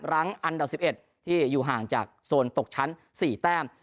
รั้งอันดับ๑๑ที่อยู่ห่างจากโซนตกชั้น๔แต้ม